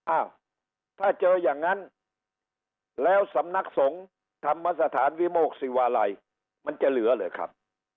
อ้าวถ้าเจออย่างนั้นแล้วสำนักสงฆ์ธรรมสถานวิโมกศิวาลัยมันจะเหลือเหรอครับ